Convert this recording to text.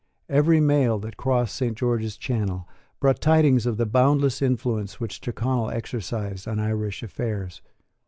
Every mail that crossed St. George's Channel brought tidings of the boundless influence which Tyrconnel exercised on Irish affairs.